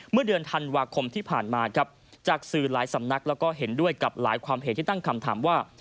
เมื่อเดือนธันวาคมที่ผ่านมาครับจากสื่อหลายสำนักแล้วก็เห็นด้วยกับหลายความเห็นที่ตั้งคำถามว่า